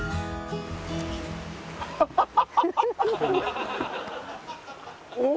ハハハハ！